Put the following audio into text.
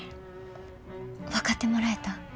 分かってもらえた？